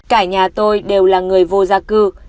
cả nhà tôi đều là người vô gia cư